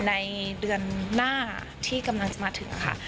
ในเดือนหน้าที่กำลังจะมาถึงค่ะ